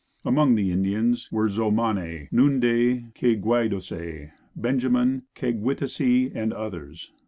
Among the Indians were Mo zo man e, Noon Day, Kay gway do say, Benjamin, Keg wit a see and others.